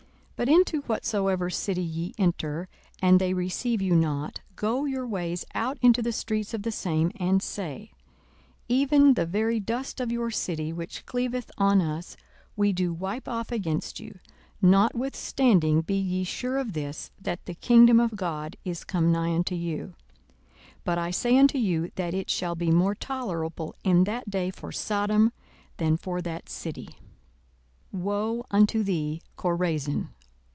42:010:010 But into whatsoever city ye enter, and they receive you not, go your ways out into the streets of the same, and say, 42:010:011 Even the very dust of your city, which cleaveth on us, we do wipe off against you: notwithstanding be ye sure of this, that the kingdom of God is come nigh unto you. 42:010:012 But I say unto you, that it shall be more tolerable in that day for Sodom, than for that city. 42:010:013 Woe unto thee, Chorazin!